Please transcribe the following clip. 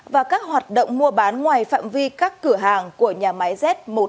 và các hoạt động mua bán ngoài phạm vi các cửa hàng của nhà máy z một trăm một mươi một